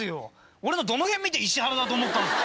俺のどの辺見てイシハラだと思ったんすか？